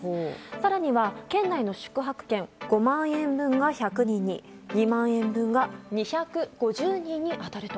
更には県内の宿泊券５万円分が１００人に２万円分が２５０人に当たると。